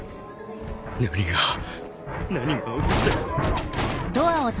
何が何が起こって。